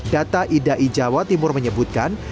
data idai jawa timur menyebutkan